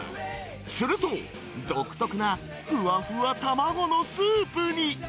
すると、独特なふわふわ卵のスープに。